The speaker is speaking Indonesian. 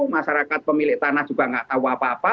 masyarakat pemilik tanah juga nggak tahu apa apa